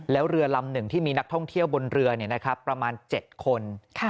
แล้วเรือลำหนึ่งที่มีนักท่องเที่ยวบนเรือประมาณ๗คน